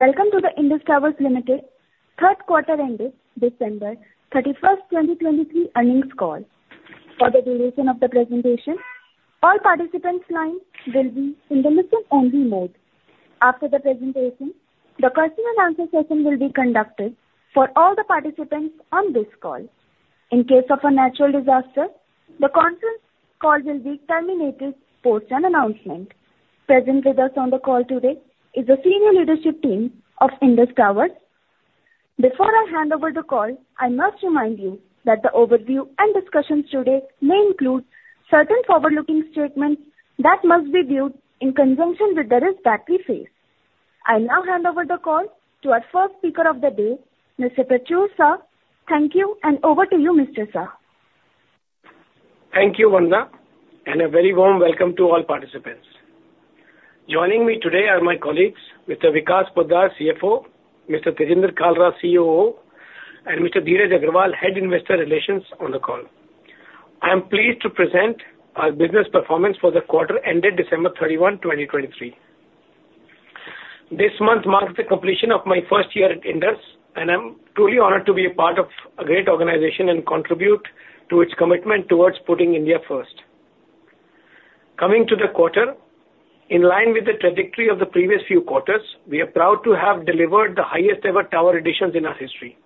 Welcome to the Indus towers Limited third quarter ended December 31, 2023 earnings call. For the duration of the presentation, all participants' lines will be in the listen-only mode. After the presentation, the question and answer session will be conducted for all the participants on this call. In case of a natural disaster, the conference call will be terminated post an announcement. Present with us on the call today is the senior leadership team of Indus towers. Before I hand over the call, I must remind you that the overview and discussions today may include certain forward-looking statements that must be viewed in conjunction with the risk that we face. I'll now hand over the call to our first speaker of the day, Mr. Prachur Sah. Thank you, and over to you, Mr. Sah. Thank you, Wanda, and a very warm welcome to all participants. Joining me today are my colleagues, Mr. Vikas Poddar, CFO, Mr. Tejinder Kalra, COO, and Mr. Dheeraj Agarwal, Head Investor Relations, on the call. I am pleased to present our business performance for the quarter ended December 31, 2023. This month marks the completion of my first year at Indus, and I'm truly honored to be a part of a great organization and contribute to its commitment towards putting India first. Coming to the quarter, in line with the trajectory of the previous few quarters, we are proud to have delivered the highest ever tower additions in our history.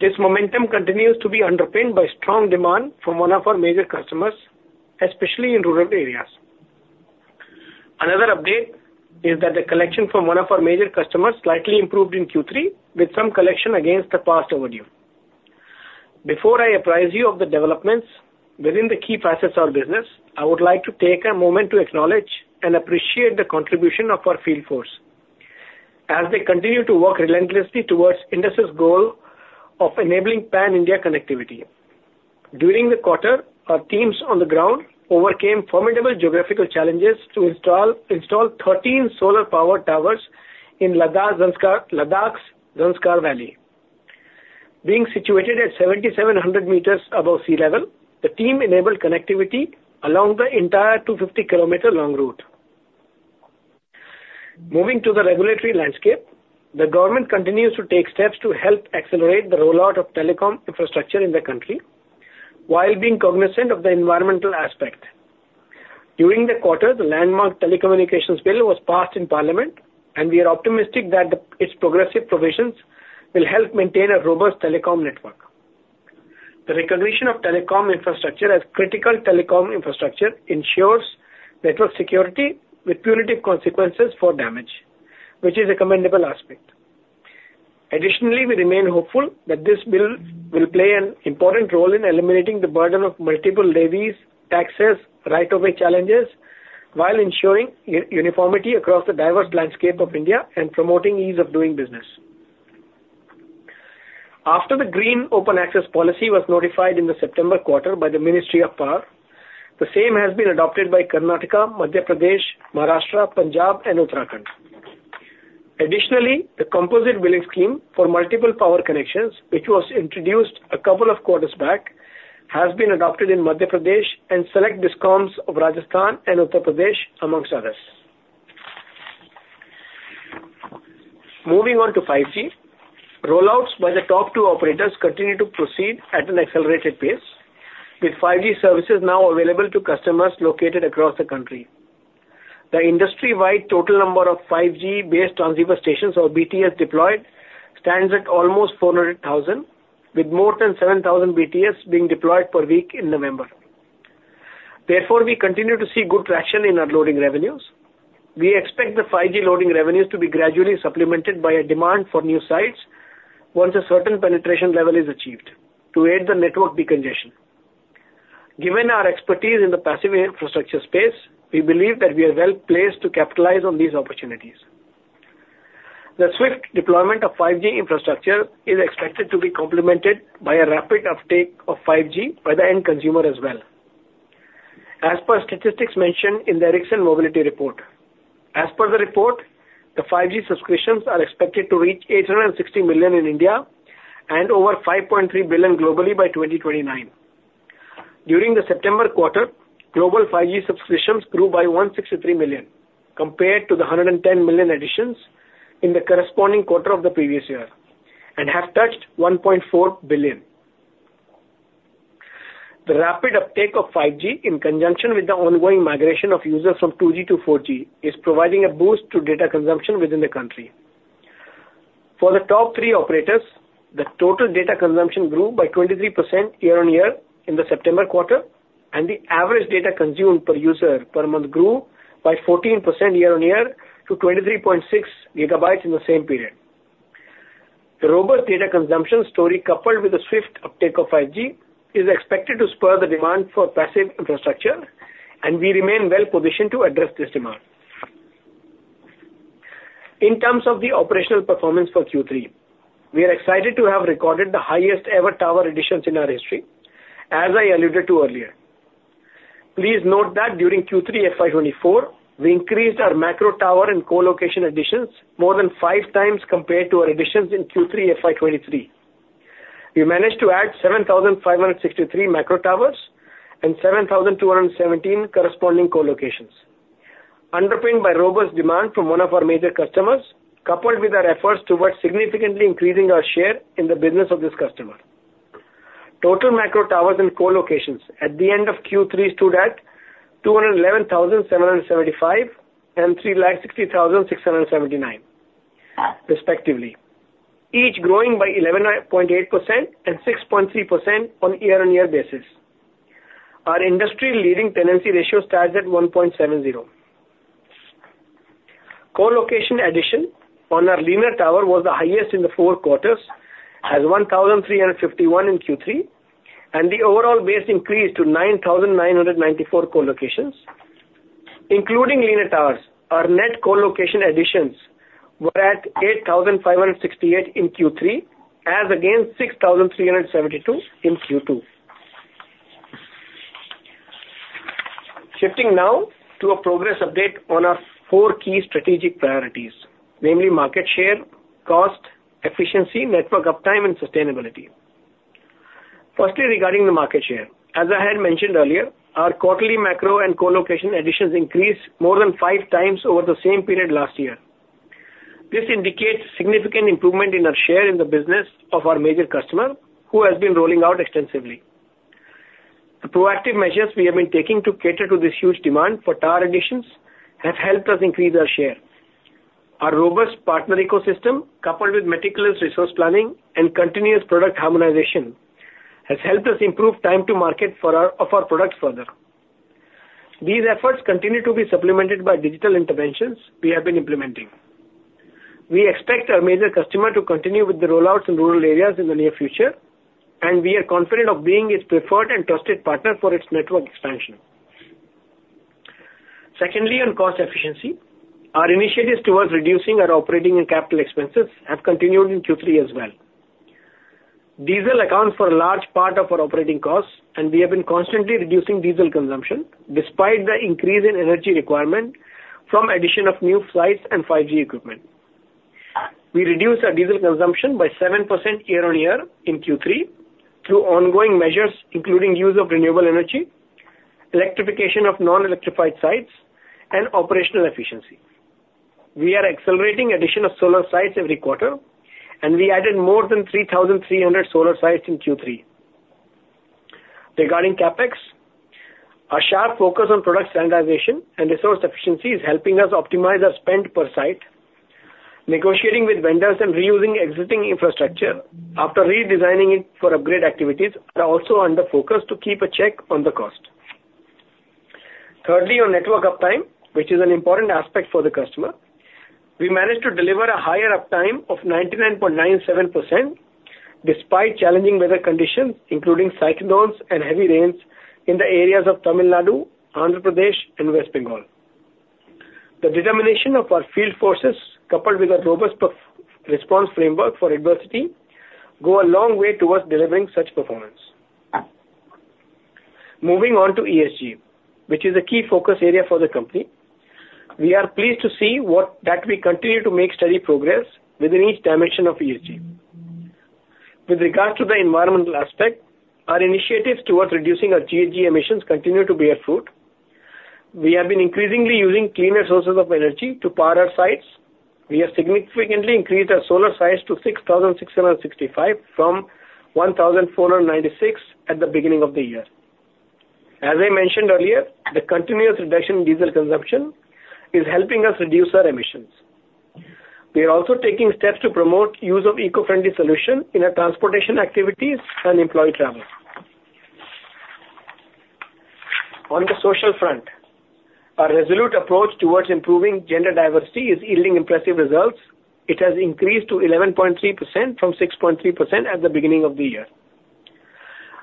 This momentum continues to be underpinned by strong demand from one of our major customers, especially in rural areas. Another update is that the collection from one of our major customers slightly improved in Q3, with some collection against the past overdue. Before I apprise you of the developments within the key facets of our business, I would like to take a moment to acknowledge and appreciate the contribution of our field force as they continue to work relentlessly towards Indus's goal of enabling pan-India connectivity. During the quarter, our teams on the ground overcame formidable geographical challenges to install, install 13 solar power towers in Ladakh Zanskar, Ladakh's Zanskar Valley. Being situated at 7,700 meters above sea level, the team enabled connectivity along the entire 250-kilometer-long route. Moving to the regulatory landscape, the government continues to take steps to help accelerate the rollout of telecom infrastructure in the country while being cognizant of the environmental aspect. During the quarter, the Telecommunications Bill was passed in Parliament, and we are optimistic that its progressive provisions will help maintain a robust telecom network. The recognition of telecom infrastructure as critical telecom infrastructure ensures network security with punitive consequences for damage, which is a commendable aspect. Additionally, we remain hopeful that this bill will play an important role in eliminating the burden of multiple levies, taxes, Right of Way challenges, while ensuring uniformity across the diverse landscape of India and promoting ease of doing business. After the Green Open Access policy was notified in the September quarter by the Ministry of Power, the same has been adopted by Karnataka, Madhya Pradesh, Maharashtra, Punjab and Uttarakhand. Additionally, the composite billing scheme for multiple power connections, which was introduced a couple of quarters back, has been adopted in Madhya Pradesh and select DISCOMs of Rajasthan and Uttar Pradesh, among others. Moving on to 5G. Rollouts by the top two operators continue to proceed at an accelerated pace, with 5G services now available to customers located across the country. The industry-wide total number of 5G-based transceiver stations or BTS deployed stands at almost 400,000, with more than 7,000 BTS being deployed per week in November. Therefore, we continue to see good traction in our loading revenues. We expect the 5G loading revenues to be gradually supplemented by a demand for new sites once a certain penetration level is achieved to aid the network decongestion. Given our expertise in the passive infrastructure space, we believe that we are well-placed to capitalize on these opportunities. The swift deployment of 5G infrastructure is expected to be complemented by a rapid uptake of 5G by the end consumer as well, as per statistics mentioned in the Ericsson Mobility Report. As per the report, the 5G subscriptions are expected to reach 860 million in India and over 5.3 billion globally by 2029. During the September quarter, global 5G subscriptions grew by 163 million, compared to the 110 million additions in the corresponding quarter of the previous year and have touched 1.4 billion. The rapid uptake of 5G, in conjunction with the ongoing migration of users from 2G to 4G, is providing a boost to data consumption within the country. For the top three operators, the total data consumption grew by 23% year-on-year in the September quarter, and the average data consumed per user per month grew by 14% year-on-year to 23.6 GB in the same period. The robust data consumption story, coupled with the swift uptake of 5G, is expected to spur the demand for passive infrastructure, and we remain well positioned to address this demand. In terms of the operational performance for Q3, we are excited to have recorded the highest ever tower additions in our history, as I alluded to earlier. Please note that during Q3 FY 2024, we increased our macro tower and co-location additions more than 5 times compared to our additions in Q3 FY 2023. We managed to add 7,563 macro towers and 7,217 corresponding co-locations, underpinned by robust demand from one of our major customers, coupled with our efforts towards significantly increasing our share in the business of this customer. Total macro towers and co-locations at the end of Q3 stood at 211,775, and 360,679, respectively, each growing by 11.8% and 6.3% on a year-on-year basis. Our industry-leading tenancy ratio stands at 1.70. Co-location addition on our linear tower was the highest in the four quarters, at 1,351 in Q3, and the overall base increased to 9,994 co-locations. Including linear towers, our net co-location additions were at 8,568 in Q3, as against 6,372 in Q2. Shifting now to a progress update on our 4 key strategic priorities, namely, market share, cost, efficiency, network uptime, and sustainability. Firstly, regarding the market share, as I had mentioned earlier, our quarterly macro and co-location additions increased more than 5 times over the same period last year. This indicates significant improvement in our share in the business of our major customer, who has been rolling out extensively. The proactive measures we have been taking to cater to this huge demand for tower additions have helped us increase our share. Our robust partner ecosystem, coupled with meticulous resource planning and continuous product harmonization, has helped us improve time to market for our products further. These efforts continue to be supplemented by digital interventions we have been implementing. We expect our major customer to continue with the rollouts in rural areas in the near future, and we are confident of being its preferred and trusted partner for its network expansion. Secondly, on cost efficiency, our initiatives towards reducing our operating and capital expenses have continued in Q3 as well. Diesel accounts for a large part of our operating costs, and we have been constantly reducing diesel consumption despite the increase in energy requirement from addition of new sites and 5G equipment. We reduced our diesel consumption by 7% year-on-year in Q3 through ongoing measures, including use of renewable energy, electrification of non-electrified sites, and operational efficiency. We are accelerating addition of solar sites every quarter, and we added more than 3,300 solar sites in Q3. Regarding CapEx, our sharp focus on product standardization and resource efficiency is helping us optimize our spend per site. Negotiating with vendors and reusing existing infrastructure after redesigning it for upgrade activities are also under focus to keep a check on the cost. Thirdly, on network uptime, which is an important aspect for the customer, we managed to deliver a higher uptime of 99.97%, despite challenging weather conditions, including cyclones and heavy rains in the areas of Tamil Nadu, Andhra Pradesh, and West Bengal. The determination of our field forces, coupled with a robust proactive response framework for adversity, go a long way towards delivering such performance. Moving on to ESG, which is a key focus area for the company, we are pleased to see that we continue to make steady progress within each dimension of ESG. With regards to the environmental aspect, our initiatives towards reducing our GHG emissions continue to bear fruit. We have been increasingly using cleaner sources of energy to power our sites. We have significantly increased our solar sites to 6,665 from 1,496 at the beginning of the year. As I mentioned earlier, the continuous reduction in diesel consumption is helping us reduce our emissions. We are also taking steps to promote use of eco-friendly solution in our transportation activities and employee travel. On the social front, our resolute approach towards improving gender diversity is yielding impressive results. It has increased to 11.3% from 6.3% at the beginning of the year.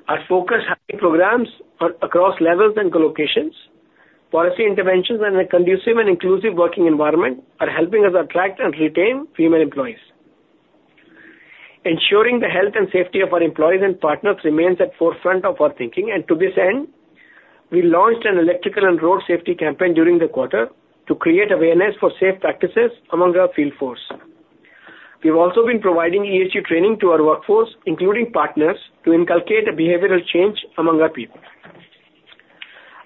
Our focus hiring programs are across levels and co-locations. Policy interventions and a conducive and inclusive working environment are helping us attract and retain female employees. Ensuring the health and safety of our employees and partners remains at forefront of our thinking, and to this end, we launched an electrical and road safety campaign during the quarter to create awareness for safe practices among our field force. We have also been providing ESG training to our workforce, including partners, to inculcate a behavioral change among our people.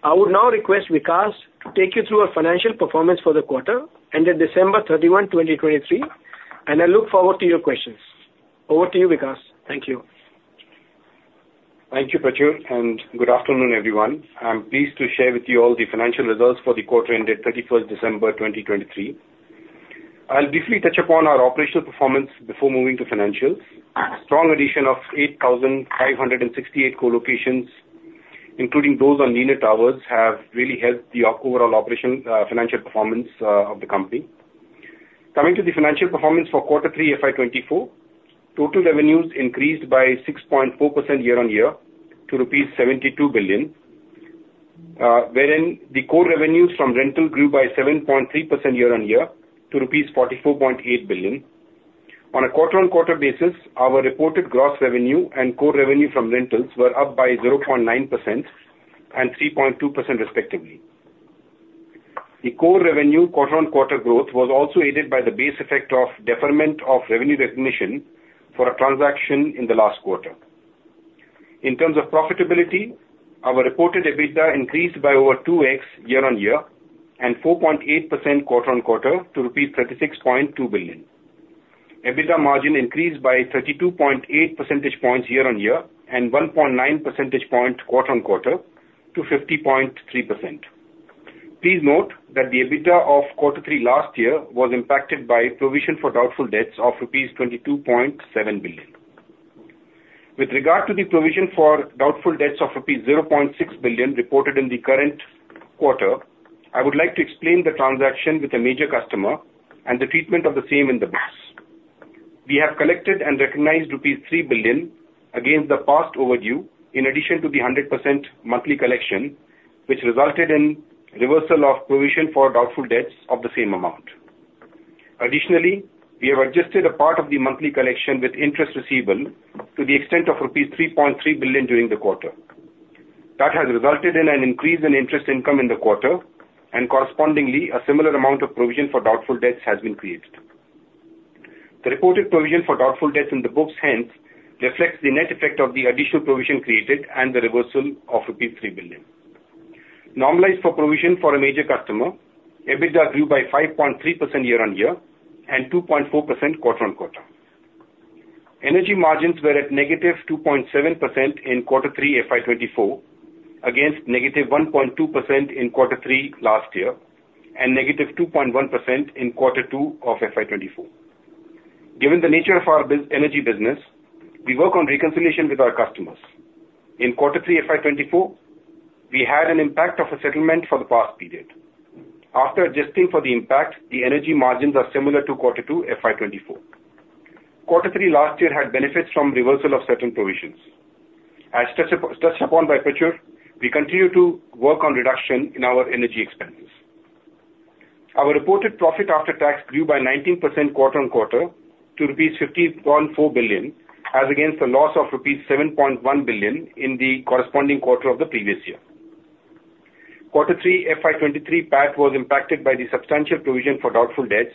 I would now request Vikas to take you through our financial performance for the quarter, ended December 31, 2023, and I look forward to your questions. Over to you, Vikas. Thank you. Thank you, Prachur, and good afternoon, everyone. I'm pleased to share with you all the financial results for the quarter ended thirty-first December 2023. I'll briefly touch upon our operational performance before moving to financials. A strong addition of 8,568 co-locations, including those on linear towers, have really helped the overall operation, financial performance, of the company. Coming to the financial performance for quarter three FY 2024, total revenues increased by 6.4% year-on-year to INR 72 billion. Wherein the core revenues from rental grew by 7.3% year-on-year to rupees 44.8 billion. On a quarter-on-quarter basis, our reported gross revenue and core revenue from rentals were up by 0.9% and 3.2% respectively. The core revenue quarter-on-quarter growth was also aided by the base effect of deferment of revenue recognition for a transaction in the last quarter. In terms of profitability, our reported EBITDA increased by over 2x year-on-year and 4.8% quarter-on-quarter to rupees 36.2 billion. EBITDA margin increased by 32.8 percentage points year-on-year and 1.9 percentage point quarter-on-quarter to 50.3%. Please note that the EBITDA of quarter 3 last year was impacted by provision for doubtful debts of rupees 22.7 billion. With regard to the provision for doubtful debts of rupees 0.6 billion reported in the current quarter, I would like to explain the transaction with a major customer and the treatment of the same in the books. We have collected and recognized rupees 3 billion against the past overdue, in addition to the 100% monthly collection, which resulted in reversal of provision for doubtful debts of the same amount. Additionally, we have adjusted a part of the monthly collection with interest receivable to the extent of rupees 3.3 billion during the quarter. That has resulted in an increase in interest income in the quarter, and correspondingly, a similar amount of provision for doubtful debts has been created. The reported provision for doubtful debts in the books hence reflects the net effect of the additional provision created and the reversal of 3 billion. Normalized for provision for a major customer, EBITDA grew by 5.3% year-on-year and 2.4% quarter-on-quarter. Energy margins were at -2.7% in quarter 3 FY 2024, against -1.2% in quarter 3 last year and -2.1% in quarter 2 of FY 2024. Given the nature of our energy business, we work on reconciliation with our customers. In quarter 3 FY 2024, we had an impact of a settlement for the past period. After adjusting for the impact, the energy margins are similar to quarter 2 FY 2024. Quarter 3 last year had benefits from reversal of certain provisions. As touched upon by Prachur, we continue to work on reduction in our energy expenses. Our reported profit after tax grew by 19% quarter-on-quarter to rupees 50.4 billion, as against a loss of rupees 7.1 billion in the corresponding quarter of the previous year. Quarter 3 FY 2023 PAT was impacted by the substantial provision for doubtful debts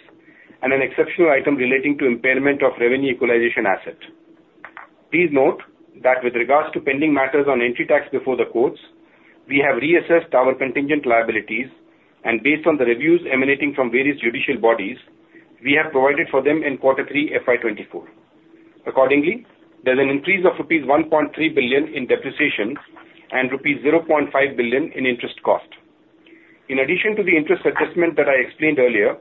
and an exceptional item relating to impairment of revenue equalization asset. Please note that with regards to pending matters on entry tax before the courts, we have reassessed our contingent liabilities, and based on the reviews emanating from various judicial bodies, we have provided for them in Quarter 3 FY 2024. Accordingly, there's an increase of rupees 1.3 billion in depreciation and rupees 0 billion in interest cost. In addition to the interest adjustment that I explained earlier,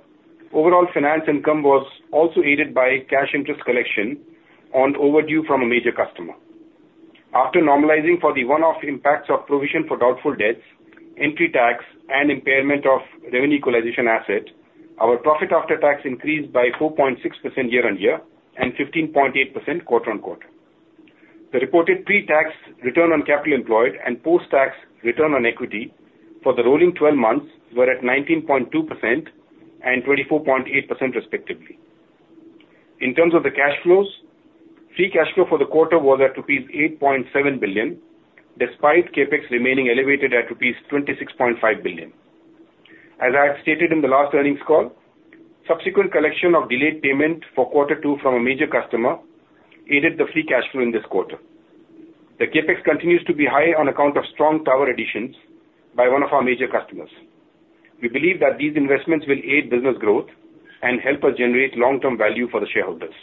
overall finance income was also aided by cash interest collection on overdue from a major customer. After normalizing for the one-off impacts of provision for doubtful debts, entry tax and impairment of revenue equalization asset, our profit after tax increased by 4.6% year-on-year and 15.8% quarter-on-quarter. The reported pre-tax return on capital employed and post-tax return on equity for the rolling twelve months were at 19.2% and 24.8% respectively. In terms of the cash flows, free cash flow for the quarter was at rupees 8.7 billion, despite CapEx remaining elevated at rupees 26.5 billion. As I have stated in the last earnings call, subsequent collection of delayed payment for quarter two from a major customer aided the free cash flow in this quarter. The CapEx continues to be high on account of strong tower additions by one of our major customers. We believe that these investments will aid business growth and help us generate long-term value for the shareholders.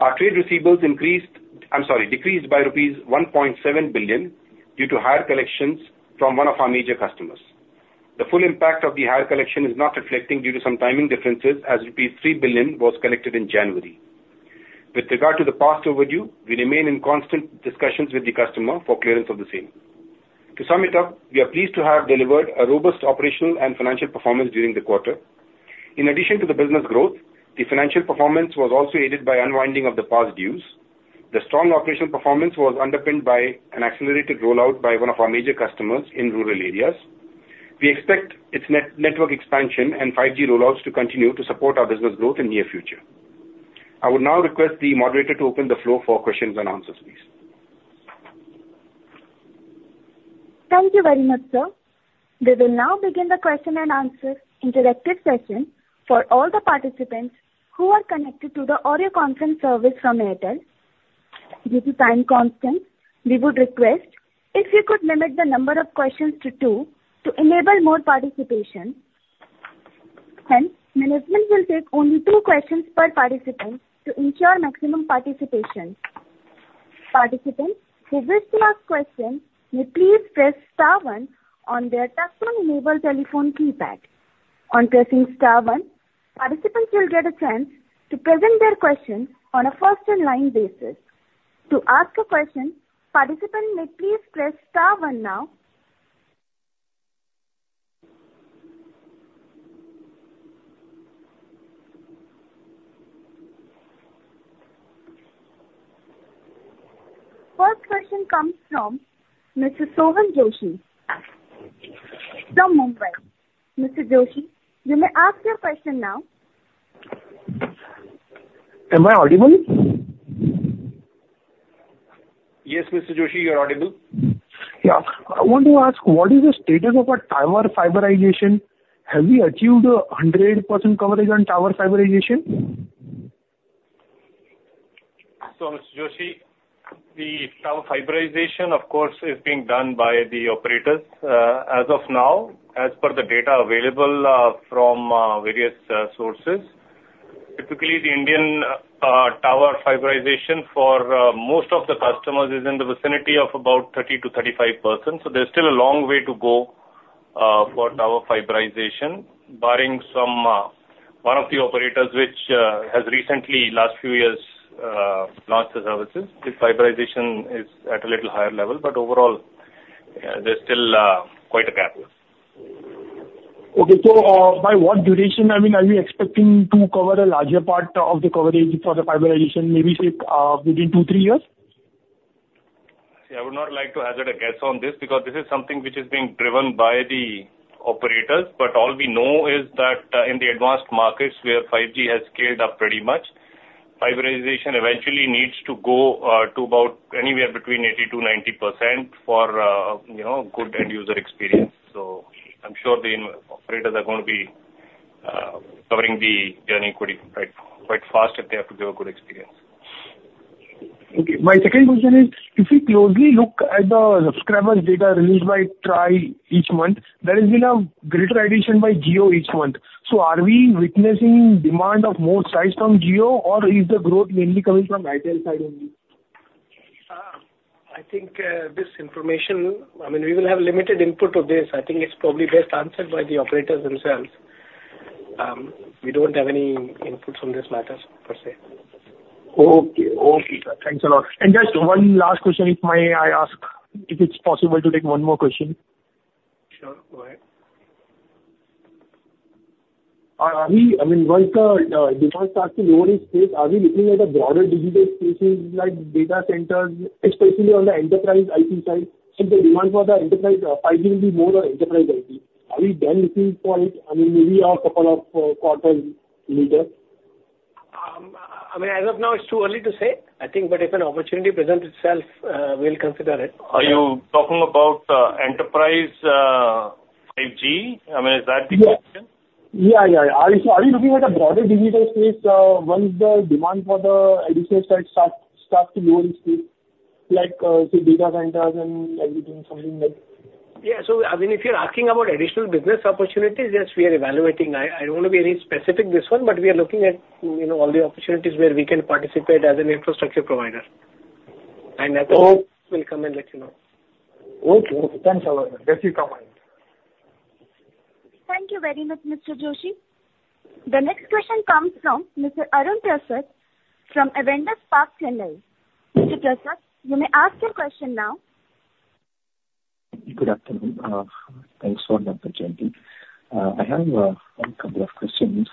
Our trade receivables increased... I'm sorry, decreased by rupees 1.7 billion due to higher collections from one of our major customers. The full impact of the higher collection is not reflecting due to some timing differences, as rupees 3 billion was collected in January. With regard to the past overdue, we remain in constant discussions with the customer for clearance of the same. To sum it up, we are pleased to have delivered a robust operational and financial performance during the quarter. In addition to the business growth, the financial performance was also aided by unwinding of the past dues. The strong operational performance was underpinned by an accelerated rollout by one of our major customers in rural areas. We expect its network expansion and 5G rollouts to continue to support our business growth in near future. I would now request the moderator to open the floor for questions and answers, please. Thank you very much, sir. We will now begin the question and answer interactive session for all the participants who are connected to the audio conference service from Airtel. Due to time constraints, we would request if you could limit the number of questions to two to enable more participation. Hence, management will take only two questions per participant to ensure maximum participation. Participants who wish to ask questions may please press star one on their touchtone mobile telephone keypad. On pressing star one, participants will get a chance to present their question on a first in line basis. To ask a question, participants may please press star one now. First question comes from Mr. Sohan Joshi from Mumbai. Mr. Joshi, you may ask your question now. Am I audible? Yes, Mr. Joshi, you're audible. Yeah. I want to ask, what is the status of our tower fiberization? Have we achieved 100% coverage on tower fiberization? So Mr. Joshi, the tower fiberization, of course, is being done by the operators. As of now, as per the data available, from various sources, typically the Indian tower fiberization for most of the customers is in the vicinity of about 30%-35%. So there's still a long way to go for tower fiberization, barring some one of the operators, which has recently, last few years, launched the services. This fiberization is at a little higher level, but overall, there's still quite a gap. Okay. So, by what duration, I mean, are we expecting to cover a larger part of the coverage for the fiberization, maybe, say, within 2-3 years? See, I would not like to hazard a guess on this, because this is something which is being driven by the operators. But all we know is that in the advanced markets where 5G has scaled up pretty much, fiberization eventually needs to go to about anywhere between 80%-90% for you know, good end user experience. So I'm sure the Indian operators are going to be covering the inequity quite quite fast, if they have to give a good experience. Okay. My second question is: if you closely look at the subscribers data released by TRAI each month, there has been a greater addition by Jio each month. So are we witnessing demand of more size from Jio, or is the growth mainly coming from Airtel side only? I think, this information, I mean, we will have limited input to this. I think it's probably best answered by the operators themselves. We don't have any input on these matters, per se. Okay. Okay, sir. Thanks a lot. Just one last question, if I may ask, if it's possible to take one more question? Sure, go ahead. Are we, I mean, once the demand starts to lower its pace, are we looking at the broader digital spaces like data centers, especially on the enterprise IT side? If the demand for the enterprise 5G will be more on enterprise IT, are we then looking for it, I mean, maybe a couple of quarters later? I mean, as of now, it's too early to say, I think, but if an opportunity presents itself, we'll consider it. Are you talking about enterprise 5G? I mean, is that the question? Yeah. Yeah, yeah. Are you, are you looking at a broader digital space, once the demand for the additional side start, starts to lower its pace, like, say, data centers and everything, something like? Yeah. So, I mean, if you're asking about additional business opportunities, yes, we are evaluating. I don't want to be very specific this one, but we are looking at, you know, all the opportunities where we can participate as an infrastructure provider. And as well, we'll come and let you know. Okay. Thanks a lot. Thank you for your time. Thank you very much, Mr. Joshi. The next question comes from Mr. Arun Prasath from Avendus Spark, Chennai. Mr. Prasad, you may ask your question now. Good afternoon. Thanks for the opportunity. I have a couple of questions.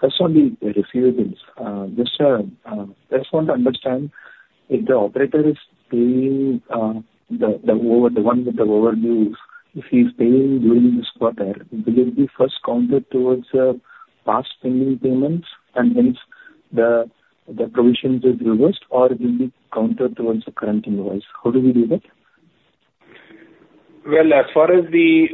First one, the receivables. Just, I just want to understand, if the operator is paying the one with the overdue, if he's paying during this quarter, will it be first counted towards past pending payments, and then the provisions is reversed, or will it be counted towards the current invoice? How do we do that? Well, as far as the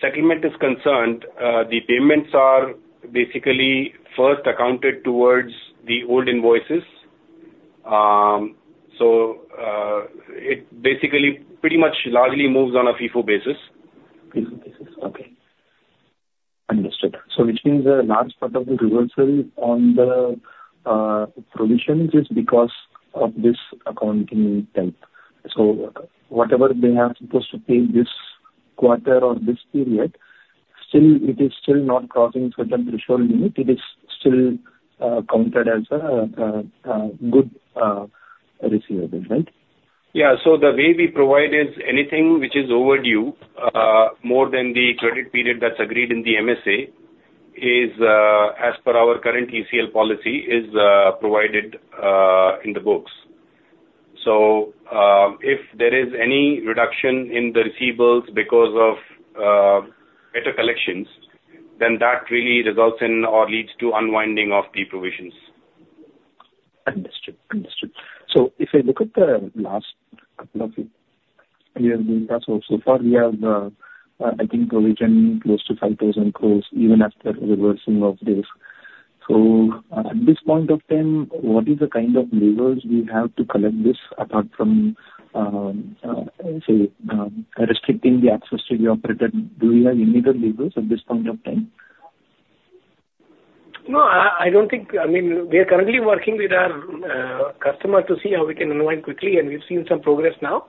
settlement is concerned, the payments are basically first accounted towards the old invoices. So, it basically pretty much largely moves on a FIFO basis. FIFO basis. Okay. Understood. So which means a large part of the reversal on the provisions is because of this accounting type. So whatever they are supposed to pay this quarter or this period, still, it is still not crossing certain threshold limit, it is still counted as a good receivable, right? Yeah. So the way we provide is anything which is overdue, more than the credit period that's agreed in the MSA, is, as per our current ECL policy, is, provided, in the books. So, if there is any reduction in the receivables because of, better collections, then that really results in or leads to unwinding of the provisions. Understood. Understood. So if I look at the last couple of years, so far we have, I think, provision close to 5,000 crore, even after reversing of this. So at this point of time, what is the kind of levers we have to collect this, apart from, restricting the access to the operator? Do we have immediate levers at this point of time? No, I don't think, I mean, we are currently working with our customer to see how we can unwind quickly, and we've seen some progress now.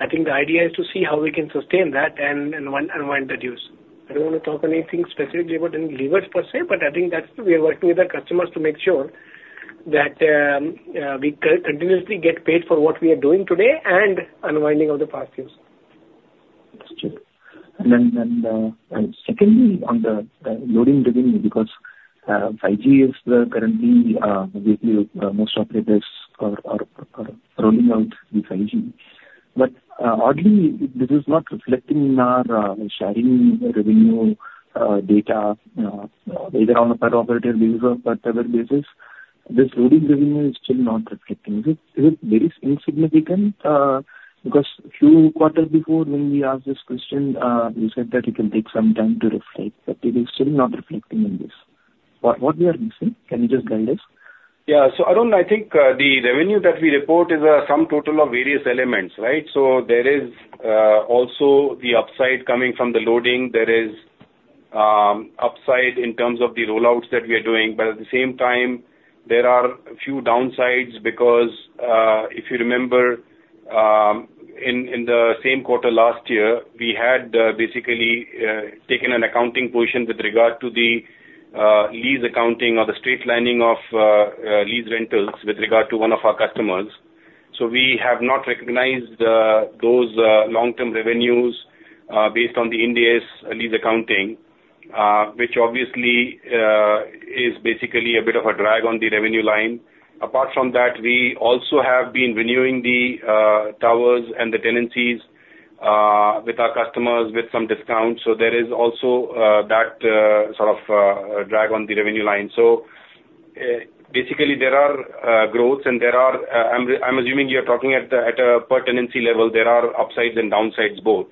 I think the idea is to see how we can sustain that and unwind the dues. I don't want to talk anything specifically about any levers per se, but I think that's, we are working with our customers to make sure that we continuously get paid for what we are doing today and unwinding of the past dues. Understood. And then, secondly, on the co-location business, because 5G is currently basically most operators are rolling out the 5G. But oddly, this is not reflecting in our sharing revenue data either on a per operator basis or per tower basis. This co-location revenue is still not reflecting. Is it very insignificant? Because a few quarters before, when we asked this question, you said that it will take some time to reflect, but it is still not reflecting in this. What we are missing? Can you just guide us? Yeah. So Arun, I think, the revenue that we report is a sum total of various elements, right? So there is, also the upside coming from the loading. There is, upside in terms of the rollouts that we are doing, but at the same time, there are a few downsides because, if you remember, in the same quarter last year, we had, basically, taken an accounting position with regard to the, lease accounting or the straight lining of, lease rentals with regard to one of our customers. So we have not recognized, those, long-term revenues, based on the Ind AS lease accounting, which obviously, is basically a bit of a drag on the revenue line. Apart from that, we also have been renewing the towers and the tenancies with our customers with some discounts. So there is also that sort of drag on the revenue line. So basically, there are growths and there are, I'm, I'm assuming you're talking at a per tenancy level, there are upsides and downsides both,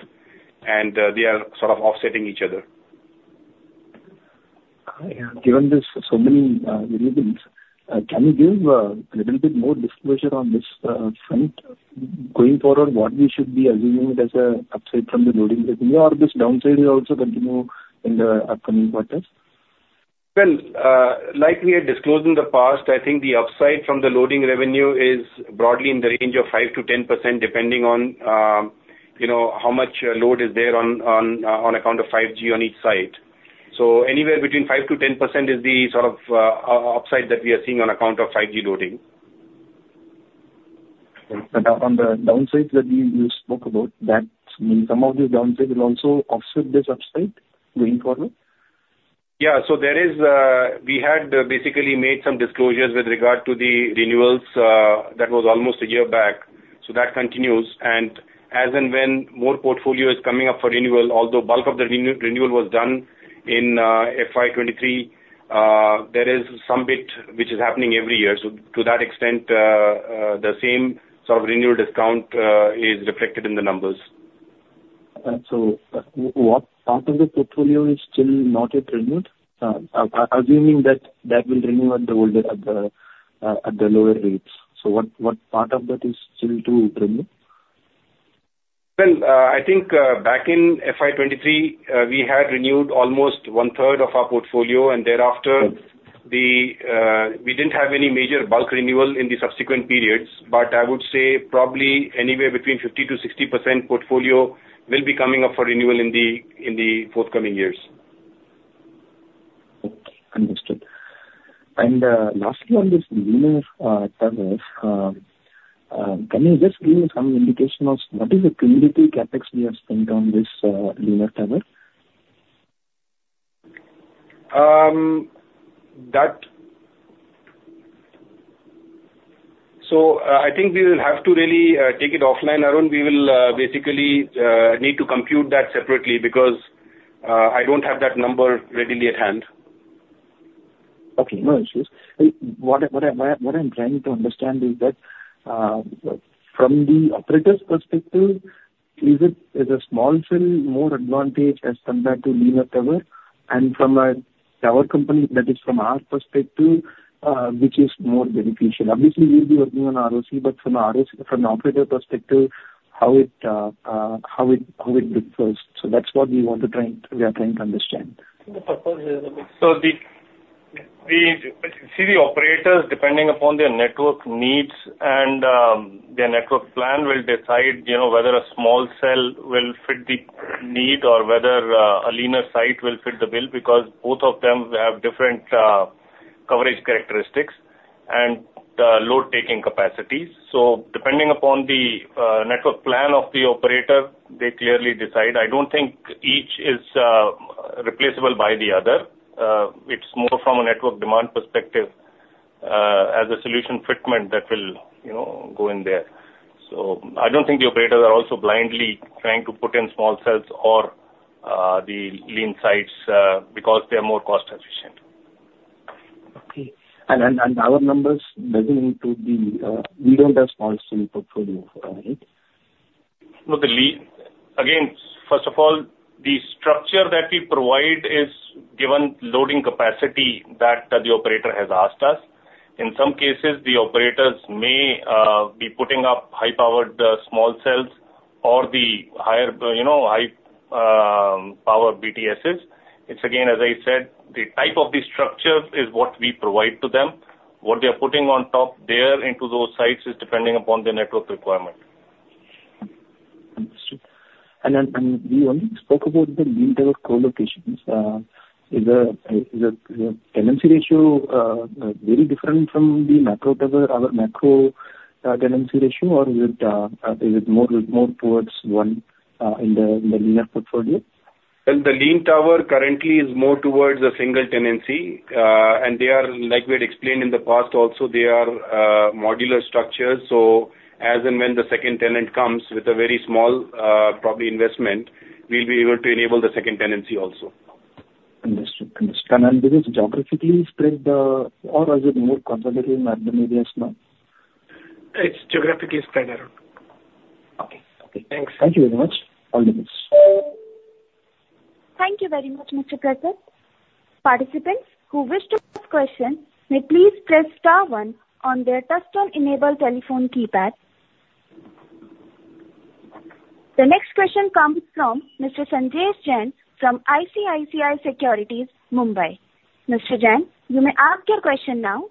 and they are sort of offsetting each other. Yeah. Given there's so many variables, can you give a little bit more disclosure on this front? Going forward, what we should be assuming as a upside from the loading revenue, or this downside will also continue in the upcoming quarters? Well, like we had disclosed in the past, I think the upside from the loading revenue is broadly in the range of 5%-10%, depending on, you know, how much load is there on account of 5G on each site. So anywhere between 5%-10% is the sort of upside that we are seeing on account of 5G loading. And on the downside that you spoke about, that some of the downside will also offset this upside going forward? Yeah. So there is, we had basically made some disclosures with regard to the renewals, that was almost a year back, so that continues. And as and when more portfolio is coming up for renewal, although bulk of the renewal was done in FY 2023, there is some bit which is happening every year. So to that extent, the same sort of renewal discount is reflected in the numbers. So what part of the portfolio is still not yet renewed? Assuming that that will renew at the older, at the lower rates. So what part of that is still to renew? Well, I think, back in FY 2023, we had renewed almost one-third of our portfolio, and thereafter, we didn't have any major bulk renewal in the subsequent periods. But I would say probably anywhere between 50%-60% portfolio will be coming up for renewal in the forthcoming years. Okay, understood. Lastly, on this linear towers, can you just give me some indication of what is the cumulative CapEx we have spent on this linear tower? So, I think we will have to really take it offline, Arun. We will basically need to compute that separately because I don't have that number readily at hand. Okay, no issues. What I'm trying to understand is that, from the operator's perspective, is it as a small cell more advantage as compared to linear Tower, and from a tower company, that is from our perspective, which is more beneficial? Obviously, we'll be working on ROC, but from an RS, from an operator perspective, how it looks first. So that's what we are trying to understand. So the operators, depending upon their network needs and their network plan, will decide, you know, whether a small cell will fit the need or whether a linear site will fit the bill, because both of them have different coverage characteristics and load-taking capacities. So depending upon the network plan of the operator, they clearly decide. I don't think each is replaceable by the other. It's more from a network demand perspective, as a solution fitment that will, you know, go in there. So I don't think the operators are also blindly trying to put in small cells or the linear sites, because they are more cost efficient. Okay. And our numbers doesn't need to be, we don't have small cell portfolio, right? No. Again, first of all, the structure that we provide is given loading capacity that the operator has asked us. In some cases, the operators may be putting up high-powered small cells or the higher, you know, high power BTSs. It's again, as I said, the type of the structures is what we provide to them. What they are putting on top there into those sites is depending upon their network requirement. Understood. And we only spoke about the linear co-locations. Is the tenancy ratio very different from the macro tower, our macro tenancy ratio, or is it more towards one in the linear portfolio? The linear tower currently is more towards a single tenancy, and they are, like we had explained in the past also, they are, modular structures. So as and when the second tenant comes with a very small, probably investment, we'll be able to enable the second tenancy also. Understood. Understood. And then this is geographically spread, or is it more concentrated in urban areas now? It's geographically spread around. Okay. Okay, thanks. Thank you very much. All the best. Thank you very much, Mr. Prasad. Participants who wish to ask question, may please press star one on their touchtone enabled telephone keypad. The next question comes from Mr. Sanjesh Jain from ICICI Securities, Mumbai. Mr. Jain, you may ask your question now.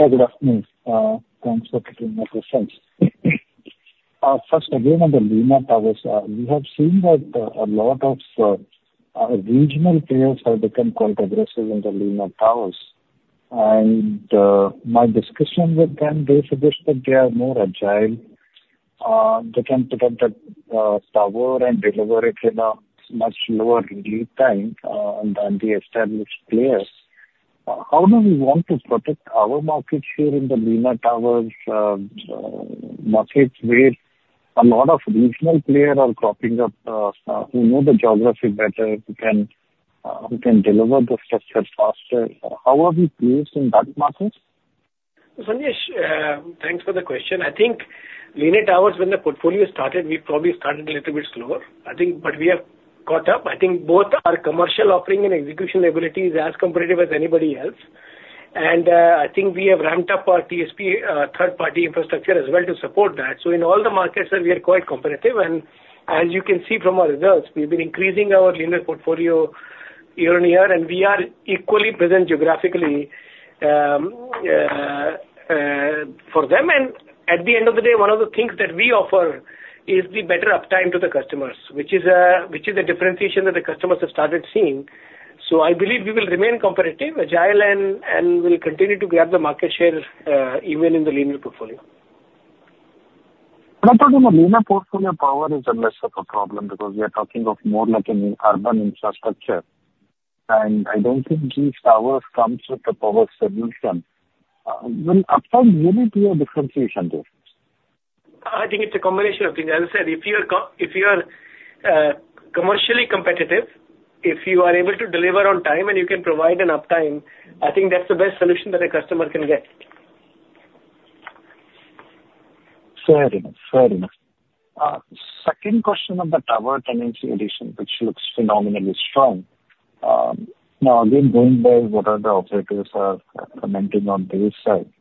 Hi, good afternoon. Thanks for taking my questions. First, again, on the linear towers, we have seen that a lot of our regional players have become quite aggressive in the linear towers. And my discussion with them, they suggest that they are more agile. They can put up the tower and deliver it in a much lower lead time than the established players. How do we want to protect our market share in the linear towers markets where a lot of regional players are cropping up, who know the geography better, who can who can deliver the structure faster? How are we placed in that market? Sanjesh, thanks for the question. I think linear towers, when the portfolio started, we probably started a little bit slower, I think, but we have caught up. I think both our commercial offering and execution ability is as competitive as anybody else. And, I think we have ramped up our TSP, third party infrastructure as well to support that. So in all the markets, we are quite competitive, and as you can see from our results, we've been increasing our linear portfolio year on year, and we are equally present geographically, for them. And at the end of the day, one of the things that we offer is the better uptime to the customers, which is, which is a differentiation that the customers have started seeing. So I believe we will remain competitive, agile, and we'll continue to grab the market share, even in the linear portfolio. But on the linear portfolio, power is less of a problem because we are talking of more like an urban infrastructure, and I don't think these towers comes with a power solution. When uptime, where is your differentiation there? I think it's a combination of things. As I said, if you are commercially competitive, if you are able to deliver on time and you can provide an uptime, I think that's the best solution that a customer can get. Fair enough. Fair enough. Second question on the tower tenancy addition, which looks phenomenally strong. Now, again, going by what the operators are commenting on this side,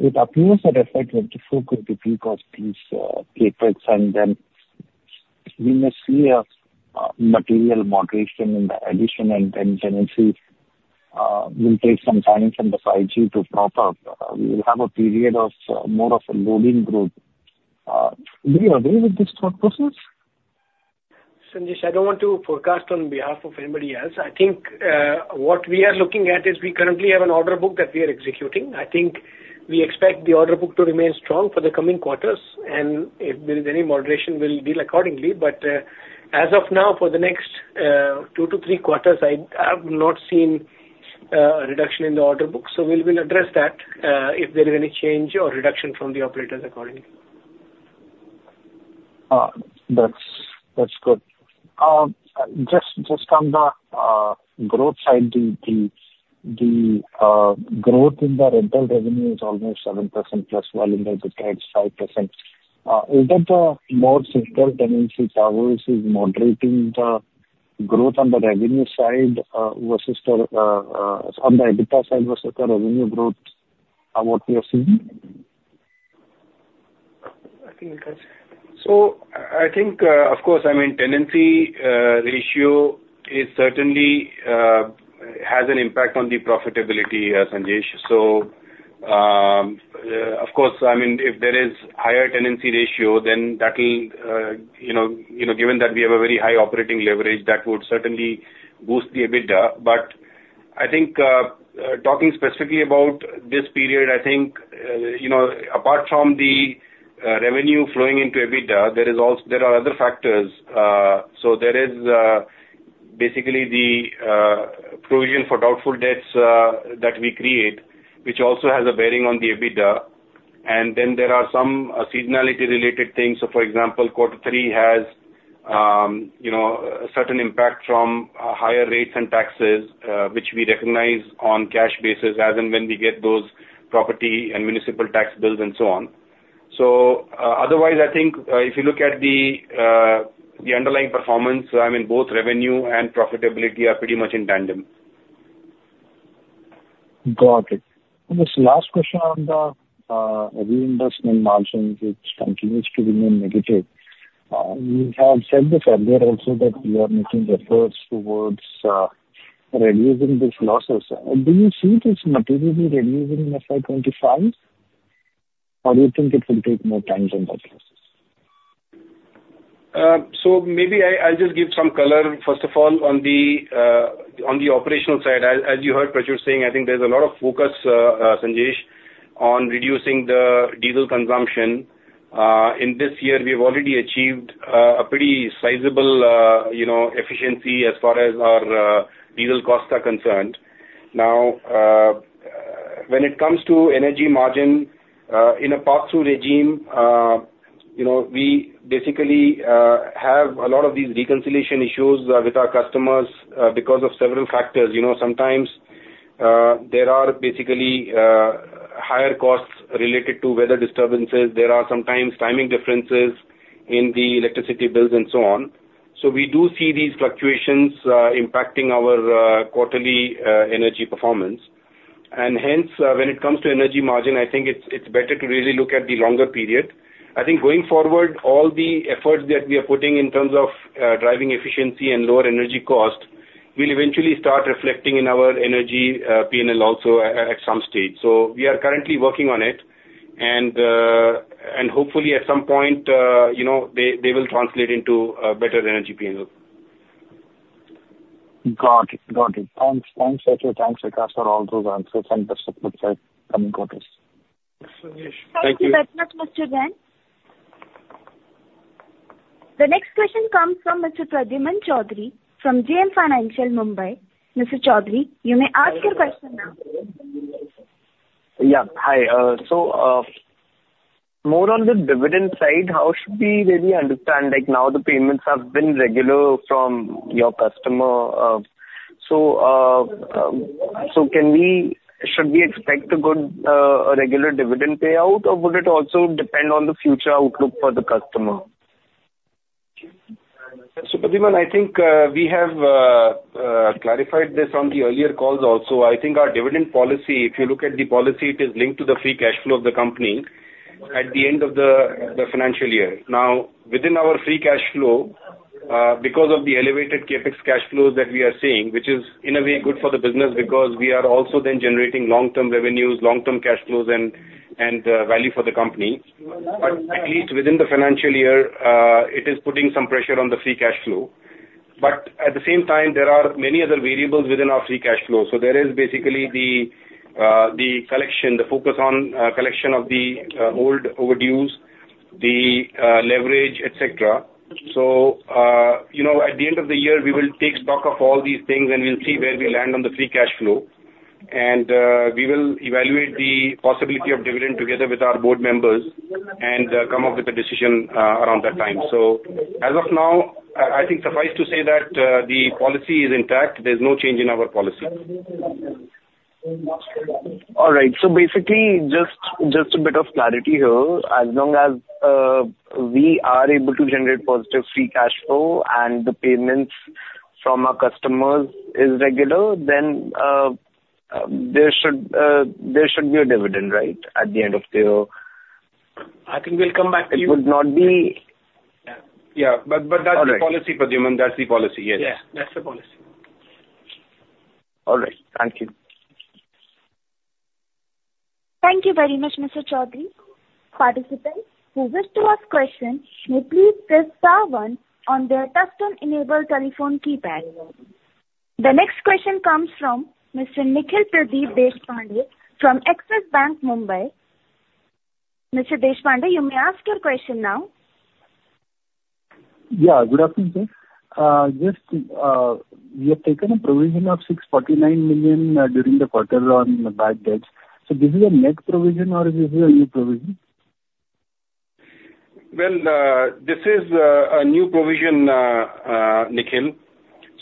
it appears that FY 2024 could be because these CapEx, and then we may see a material moderation in the addition and tenancy, will take some time from the 5G to prop up. We will have a period of more of a loading growth. Do you agree with this thought process? Sanjesh, I don't want to forecast on behalf of anybody else. I think, what we are looking at is we currently have an order book that we are executing. I think we expect the order book to remain strong for the coming quarters, and if there is any moderation, we'll deal accordingly. But, as of now, for the next, 2-3 quarters, I, I've not seen, a reduction in the order book, so we will address that, if there is any change or reduction from the operators accordingly. That's good. Just on the growth side, the growth in the rental revenue is almost 7% plus volume, I think it's 5%. Is that the more single tenancy towers is moderating the growth on the revenue side versus on the EBITDA side versus the revenue growth what we are seeing? I think, Prasad. So I think, of course, I mean, tenancy ratio is certainly has an impact on the profitability, Sanjesh. So, of course, I mean, if there is higher tenancy ratio, then that will, you know, you know, given that we have a very high operating leverage, that would certainly boost the EBITDA. But I think, talking specifically about this period, I think, you know, apart from the revenue flowing into EBITDA, there are other factors. So there is, basically the provision for doubtful debts that we create, which also has a bearing on the EBITDA. And then there are some seasonality-related things. So for example, quarter three has, you know, a certain impact from higher rates and taxes, which we recognize on cash basis as and when we get those property and municipal tax bills and so on. So, otherwise, I think, if you look at the underlying performance, I mean, both revenue and profitability are pretty much in tandem. Got it. Just last question on the reinvestment margins, which continues to remain negative. You have said this earlier also, that you are making efforts towards reducing these losses. Do you see this materially reducing in FY 25, or do you think it will take more time than that process? So maybe I, I'll just give some color. First of all, on the operational side, as you heard Prachur saying, I think there's a lot of focus, Sanjesh on reducing the diesel consumption. In this year, we've already achieved a pretty sizable, you know, efficiency as far as our diesel costs are concerned. Now, when it comes to energy margin, in a pass-through regime, you know, we basically have a lot of these reconciliation issues with our customers, because of several factors. You know, sometimes there are basically higher costs related to weather disturbances. There are sometimes timing differences in the electricity bills and so on. So we do see these fluctuations impacting our quarterly energy performance. And hence, when it comes to energy margin, I think it's, it's better to really look at the longer period. I think going forward, all the efforts that we are putting in terms of driving efficiency and lower energy cost, will eventually start reflecting in our energy P&L also at some stage. So we are currently working on it, and hopefully at some point, you know, they will translate into a better energy P&L. Got it. Got it. Thanks. Thanks, Achyut. Thanks, Vikas, for all those answers and the support side coming to us. Thanks, Dinesh. Thank you. Thank you very much, Mr. Jain. The next question comes from Mr. Pradyuman Chaudhary from JM Financial, Mumbai. Mr. Chaudhary, you may ask your question now. Yeah. Hi. So, more on the dividend side, how should we really understand, like, now the payments have been regular from your customer, so, can we, should we expect a good, regular dividend payout, or would it also depend on the future outlook for the customer? So, Pradyuman, I think we have clarified this on the earlier calls also. I think our dividend policy, if you look at the policy, it is linked to the free cash flow of the company at the end of the financial year. Now, within our free cash flow, because of the elevated CapEx cash flows that we are seeing, which is in a way good for the business, because we are also then generating long-term revenues, long-term cash flows and value for the company. But at least within the financial year, it is putting some pressure on the free cash flow. But at the same time, there are many other variables within our free cash flow. So there is basically the collection, the focus on collection of the old overdues, the leverage, et cetera. You know, at the end of the year, we will take stock of all these things, and we'll see where we land on the free cash flow. We will evaluate the possibility of dividend together with our board members and come up with a decision around that time. As of now, I think suffice to say that the policy is intact. There's no change in our policy. All right. So basically, just a bit of clarity here. As long as we are able to generate positive free cash flow and the payments from our customers is regular, then there should be a dividend, right? At the end of the year. I think we'll come back to you. It would not be. Yeah. But, but that's the policy, Pradyuman. That's the policy, yes. Yeah, that's the policy. All right. Thank you. Thank you very much, Mr. Chaudhary. Participants who wish to ask questions may please press star one on their touch-tone enabled telephone keypad. The next question comes from Mr. Nikhil Pradeep Deshpande from Axis Capital, Mumbai. Mr. Deshpande, you may ask your question now. Yeah, good afternoon, sir. Just, you have taken a provision of 649 million during the quarter on the bad debts. So this is a net provision or is this a new provision? Well, this is a new provision, Nikhil.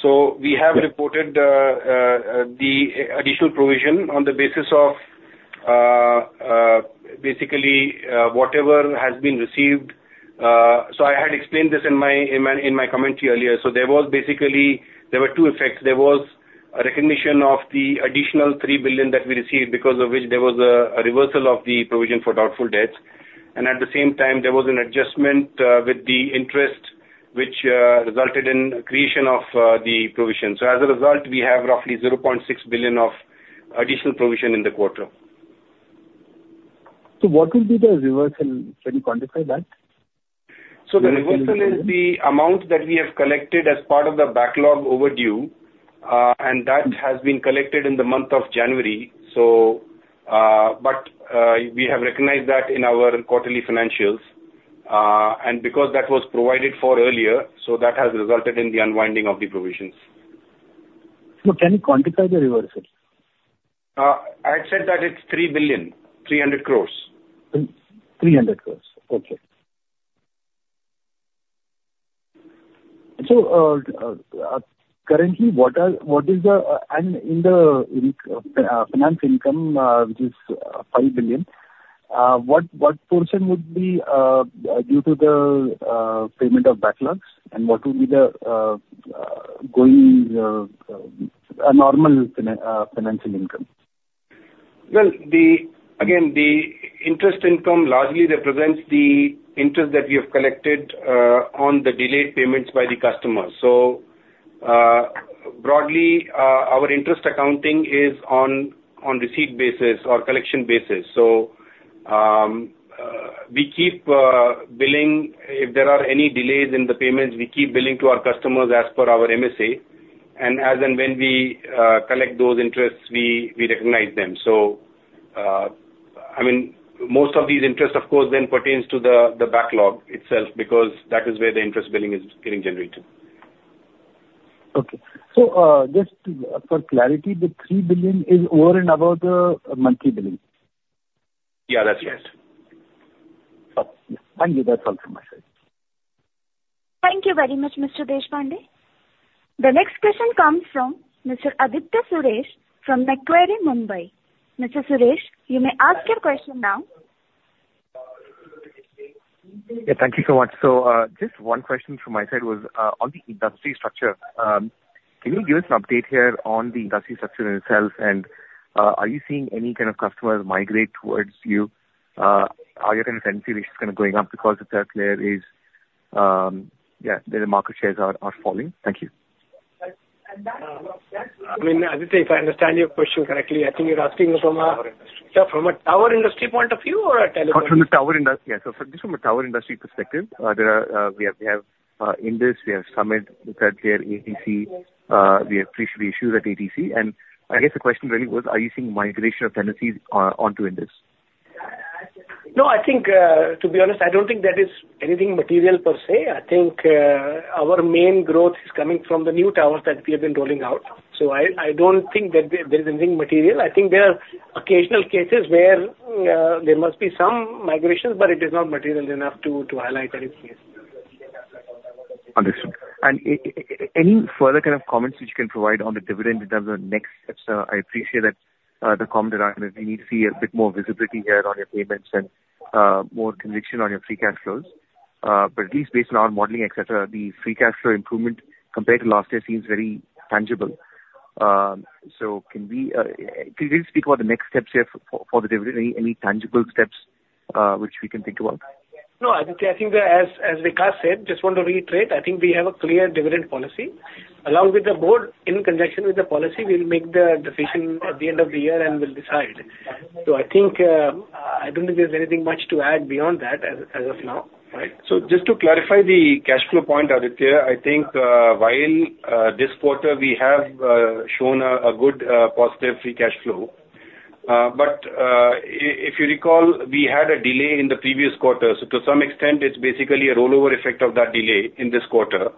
So we have reported the additional provision on the basis of basically whatever has been received. So I had explained this in my commentary earlier. So there was basically there were two effects. There was a recognition of the additional 3 billion that we received, because of which there was a reversal of the provision for doubtful debts. And at the same time, there was an adjustment with the interest, which resulted in creation of the provision. So as a result, we have roughly 0.6 billion of additional provision in the quarter. What will be the reversal? Can you quantify that? So the reversal is the amount that we have collected as part of the backlog overdue, and that has been collected in the month of January. So, but, we have recognized that in our quarterly financials. And because that was provided for earlier, so that has resulted in the unwinding of the provisions. So can you quantify the reversal? I said that it's 600 crore. 300 crore. Okay. So, currently, what are... What is the and in the finance income, which is 5 billion, what portion would be due to the payment of backlogs, and what will be the going a normal financial income? Well, again, the interest income largely represents the interest that we have collected on the delayed payments by the customer. So, broadly, our interest accounting is on receipt basis or collection basis. So, we keep billing. If there are any delays in the payments, we keep billing to our customers as per our MSA, and as and when we collect those interests, we recognize them. So, I mean, most of these interests, of course, then pertains to the backlog itself, because that is where the interest billing is getting generated. Okay. So, just for clarity, the 3 billion is over and above the monthly billing? Yeah, that's right. Thank you. That's all from my side. Thank you very much, Mr. Deshpande. The next question comes from Mr. Aditya Suresh from Macquarie, Mumbai. Mr. Suresh, you may ask your question now. Yeah, thank you so much. So, just one question from my side was on the industry structure. Can you give us an update here on the industry structure itself, and, are you seeing any kind of customers migrate towards you? Are your kind of tenancy ratios kind of going up because the third layer is, yeah, the market shares are falling. Thank you. I mean, Aditya, if I understand your question correctly, I think you're asking from a- Tower industry. From a tower industry point of view or a telecommunications? From the tower industry, yeah. So just from a tower industry perspective, there are Indus, Summit, Brookfield, ATC. We appreciate the issues at ATC. And I guess the question really was, are you seeing migration of tenancies onto Indus? No, I think, to be honest, I don't think that is anything material per se. I think, our main growth is coming from the new towers that we have been rolling out. So I don't think that there is anything material. I think there are occasional cases where there must be some migrations, but it is not material enough to highlight any case. Understood. Any further kind of comments which you can provide on the dividend in terms of next steps? I appreciate that, the comment around that we need to see a bit more visibility here on your payments and, more conviction on your free cash flows. But at least based on our modeling, et cetera, the free cash flow improvement compared to last year seems very tangible. So can we, can you speak about the next steps here for the dividend? Any tangible steps, which we can think about? No, I think as Vikas said, just want to reiterate, I think we have a clear dividend policy. Along with the board, in conjunction with the policy, we'll make the decision at the end of the year, and we'll decide. So I think, I don't think there's anything much to add beyond that as of now, right? So just to clarify the cash flow point, Aditya, I think, while this quarter, we have shown a good positive free cash flow, but if you recall, we had a delay in the previous quarter. So to some extent, it's basically a rollover effect of that delay in this quarter.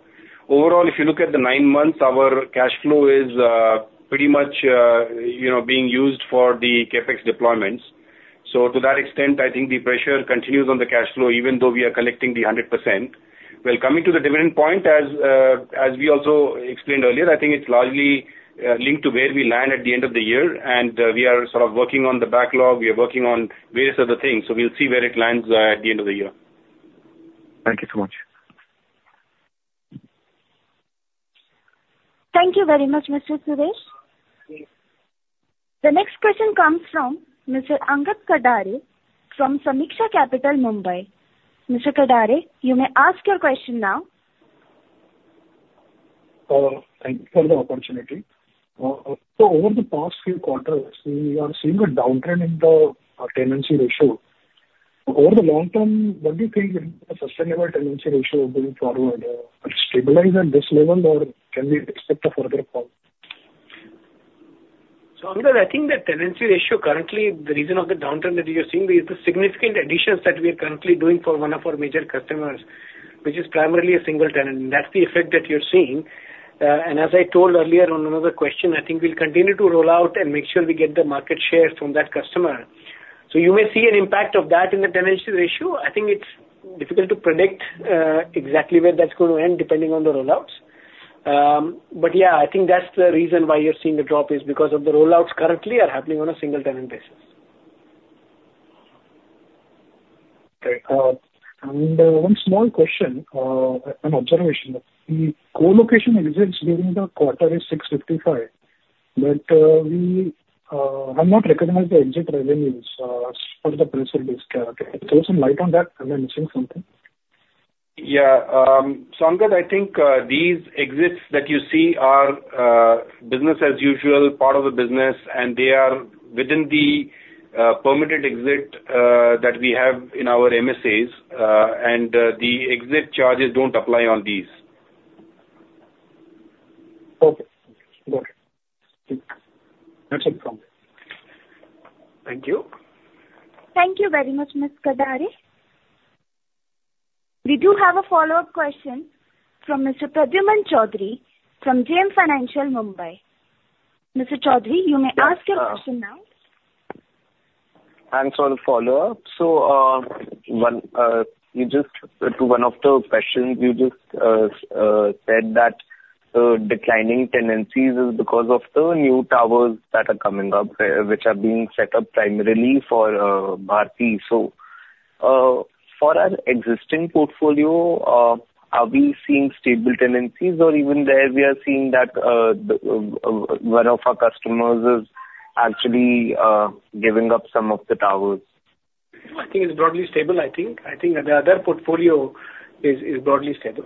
Overall, if you look at the nine months, our cash flow is pretty much, you know, being used for the CapEx deployments. So to that extent, I think the pressure continues on the cash flow, even though we are collecting the 100%. Well, coming to the dividend point, as we also explained earlier, I think it's largely linked to where we land at the end of the year, and we are sort of working on the backlog. We are working on various other things, so we'll see where it lands, at the end of the year. Thank you so much. Thank you very much, Mr. Suresh. The next question comes from Mr. Angad Katdare from Sameeksha Capital, Mumbai. Mr. Katdare, you may ask your question now. Thank you for the opportunity. Over the past few quarters, we are seeing a downtrend in the tenancy ratio. Over the long term, what do you think is the sustainable tenancy ratio going forward? Will it stabilize at this level, or can we expect a further call? So Angad, I think the tenancy ratio, currently, the reason of the downturn that you're seeing is the significant additions that we are currently doing for one of our major customers, which is primarily a single tenant, and that's the effect that you're seeing. And as I told earlier on another question, I think we'll continue to roll out and make sure we get the market share from that customer. So you may see an impact of that in the tenancy ratio. I think it's difficult to predict exactly where that's going to end, depending on the rollouts. But yeah, I think that's the reason why you're seeing the drop is because of the rollouts currently are happening on a single tenant basis. Okay, and one small question, an observation. The co-location exits during the quarter is 655, but we have not recognized the exit revenues for the principal-based character. Throw some light on that. Am I missing something? Yeah, so Angad, I think these exits that you see are business as usual, part of the business, and they are within the permitted exit that we have in our MSAs. The exit charges don't apply on these. Okay. Got it. That's it. Thank you. Thank you very much, Mr. Katdare. We do have a follow-up question from Mr. Pradyuman Chaudhary from JM Financial, Mumbai. Mr. Chaudhary, you may ask your question now. Thanks for the follow-up. So, one, you just... To one of the questions, you just said that declining tenancies is because of the new towers that are coming up, which are being set up primarily for Bharti. So, for an existing portfolio, are we seeing stable tenancies, or even there, we are seeing that the one of our customers is actually giving up some of the towers? I think it's broadly stable, I think. I think that the other portfolio is broadly stable.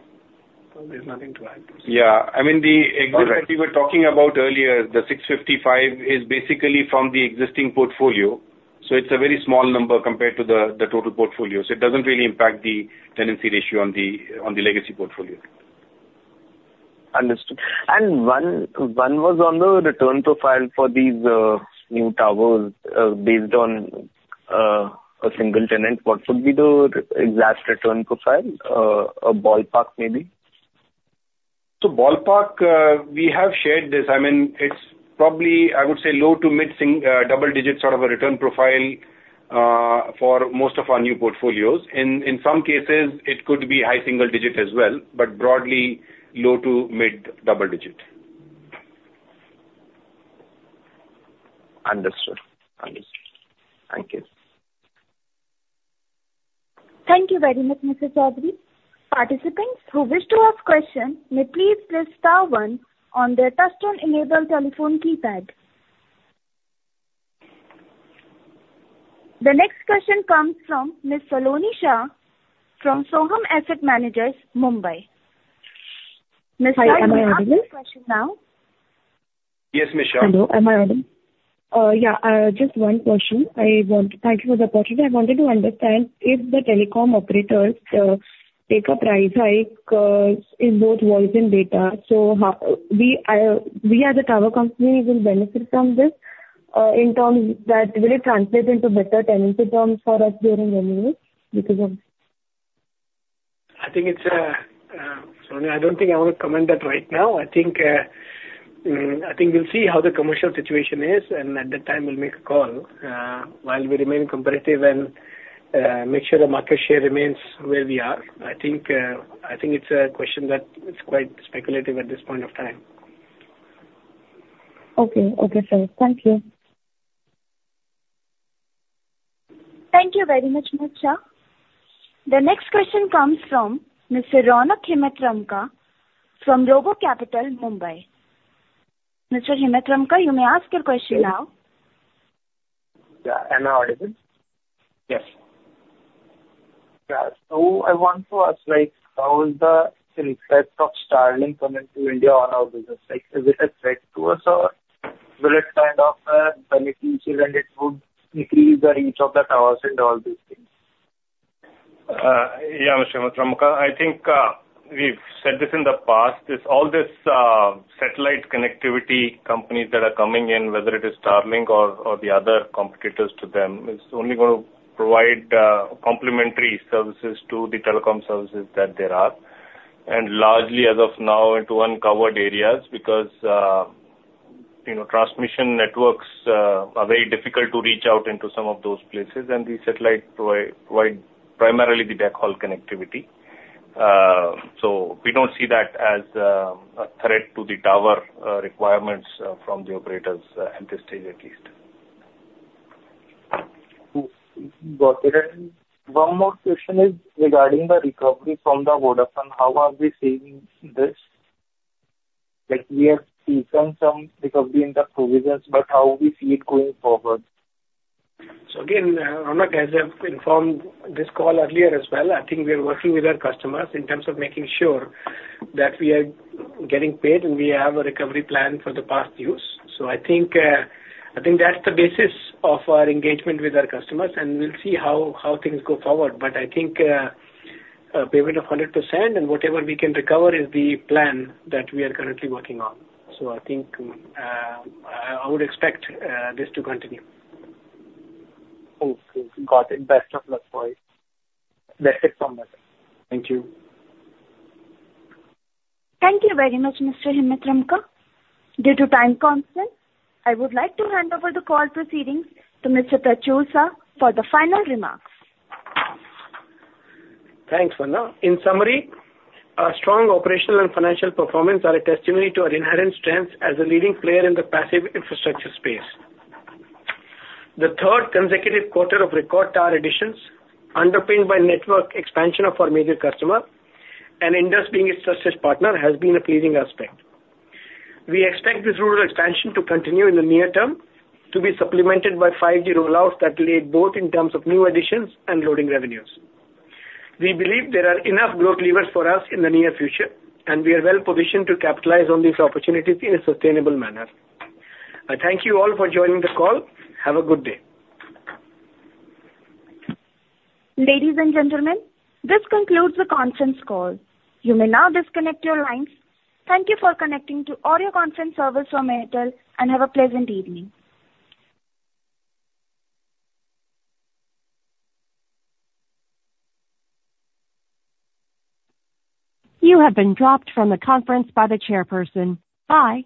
There's nothing to add to this. Yeah, I mean, the exact what we were talking about earlier, the 655 is basically from the existing portfolio, so it's a very small number compared to the total portfolio. So it doesn't really impact the tenancy ratio on the legacy portfolio. Understood. And one was on the return profile for these new towers based on a single tenant. What would be the exact return profile, a ballpark, maybe? Ballpark, we have shared this. I mean, it's probably, I would say, low to mid single digit sort of a return profile for most of our new portfolios. In some cases, it could be high single digit as well, but broadly, low to mid double digit. Understood. Understood. Thank you. Thank you very much, Mr. Chaudhary. Participants who wish to ask question, may please press star one on their touchtone enabled telephone keypad. The next question comes from Ms. Saloni Shah from Soham Asset Managers, Mumbai. Ms. Shah. Hi, am I audible? You may ask your question now. Yes, Ms. Shah. Hello, am I audible? Yeah, just one question. I want to thank you for the opportunity. I wanted to understand if the telecom operators take a price hike in both voice and data, so how we, we as a tower company, will benefit from this, in terms that will it translate into better tenancy terms for us during the new year? Because, I think it's Saloni, I don't think I want to comment that right now. I think we'll see how the commercial situation is, and at that time we'll make a call while we remain competitive and make sure the market share remains where we are. I think it's a question that is quite speculative at this point of time. Okay. Okay, sir. Thank you. Thank you very much, Ms. Shah. The next question comes from Mr. Ronak Himatramka from RoboCapital, Mumbai. Mr. Himatramka, you may ask your question now. Yeah. Am I audible? Yes. Yeah. So I want to ask, like, how is the impact of Starlink coming to India on our business? Like, is it a threat to us or will it kind of, benefit and it would increase the reach of the towers and all these things? Yeah, Mr. Himat Ramka, I think, we've said this in the past, is all this, satellite connectivity companies that are coming in, whether it is Starlink or, or the other competitors to them, it's only gonna provide, complementary services to the telecom services that there are. And largely, as of now, into uncovered areas, because, you know, transmission networks, are very difficult to reach out into some of those places, and the satellite provides primarily the backhaul connectivity. So we don't see that as, a threat to the tower, requirements, from the operators, at this stage at least. Cool. Got it. One more question is regarding the recovery from the Vodafone. How are we seeing this? Like, we have seen some recovery in the provisions, but how we see it going forward? So again, Ronak, as I've informed this call earlier as well, I think we are working with our customers in terms of making sure that we are getting paid, and we have a recovery plan for the past dues. So I think, I think that's the basis of our engagement with our customers, and we'll see how, how things go forward. But I think, a payment of 100% and whatever we can recover is the plan that we are currently working on. So I think, I would expect, this to continue. Okay. Got it. Best of luck for it. That's it from my side. Thank you. Thank you very much, Mr. Himat Ramka. Due to time constraint, I would like to hand over the call proceedings to Mr. Prachur Sah for the final remarks. Thanks, Wanda. In summary, our strong operational and financial performance are a testimony to our inherent strength as a leading player in the passive infrastructure space. The third consecutive quarter of record tower additions, underpinned by network expansion of our major customer and us being a success partner, has been a pleasing aspect. We expect this rural expansion to continue in the near term, to be supplemented by 5G rollouts that aid both in terms of new additions and loading revenues. We believe there are enough growth levers for us in the near future, and we are well positioned to capitalize on these opportunities in a sustainable manner. I thank you all for joining the call. Have a good day. Ladies and gentlemen, this concludes the conference call. You may now disconnect your lines. Thank you for connecting to audio conference service from Airtel, and have a pleasant evening. You have been dropped from the conference by the chairperson. Bye!